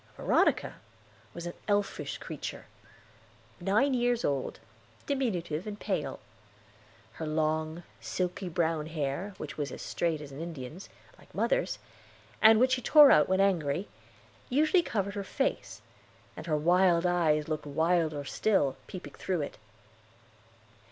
Veronica was an elfish creature, nine years old, diminutive and pale. Her long, silky brown hair, which was as straight as an Indian's, like mother's, and which she tore out when angry, usually covered her face, and her wild eyes looked wilder still peeping through it.